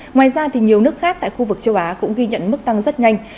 ngoài ra nhiều nước khác tại khu vực châu á cũng ghi nhận mức tăng rất nhanh